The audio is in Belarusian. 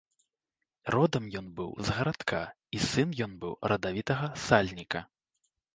Родам ён быў з гарадка, і сын ён быў радавітага сальніка.